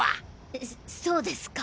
えっそうですか。